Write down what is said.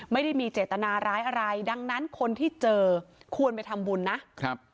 ไม่ได้มีเจตนาร้ายอะไรดังนั้นคนที่เจอควรไปทำบุญนะครับ